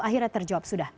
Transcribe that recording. akhirnya terjawab sudah